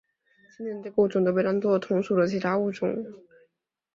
先前这个物种都被当作同属的其他物种。